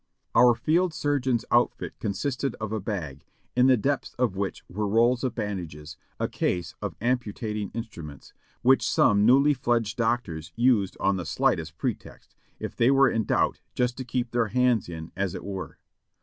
Our field surgeon's outfit consisted of a bag, in the depths of which were rolls of bandages, a case of amputating instruments, which some newly fledged doctors used on the slightest pretext, if they were in doubt, just to keep their hands in, as it were.